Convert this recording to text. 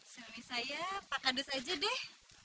suami saya pak kadus aja deh